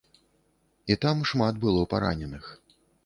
І там шмат было параненых.